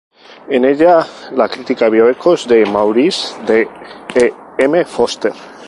En ella la crítica vio ecos de "Maurice" de E. M. Forster.